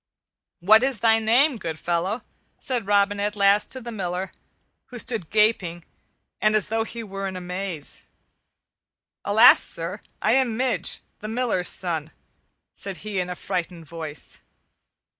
"What is thy name, good fellow?" said Robin at last to the Miller, who stood gaping and as though he were in amaze. "Alas, sir, I am Midge, the Miller's son," said he in a frightened voice.